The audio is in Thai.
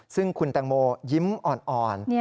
ซึ่งคุณแตงโมยิ้มอ่อน